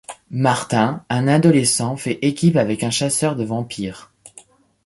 Martin, un adolescent, fait équipe avec un chasseur de vampires.